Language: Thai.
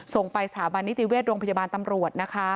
ส่งไปสถาบันนิติเวชโรงพยาบาลตำรวจนะคะ